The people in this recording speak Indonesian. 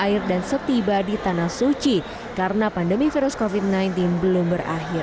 air dan setiba di tanah suci karena pandemi virus covid sembilan belas belum berakhir